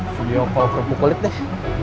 sudah aku terpukulit deh